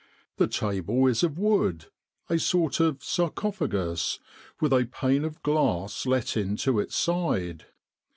The table is of wood, a sort of sarcophagus, with a pane of glass let into its side.